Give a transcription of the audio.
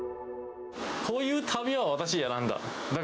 こういう旅は私が選んだ。